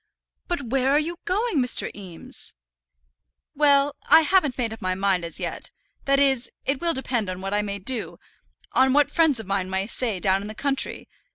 "But where are you going, Mr. Eames?" "Well; I haven't just made up my mind as yet. That is, it will depend on what I may do, on what friends of mine may say down in the country.